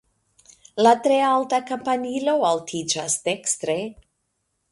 La tre alta kampanilo altiĝas dekstre.